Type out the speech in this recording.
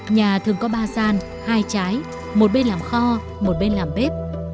nhà thường có ba gian hai trái một bên làm kho một bên làm bếp